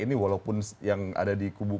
ini walaupun yang ada di kubu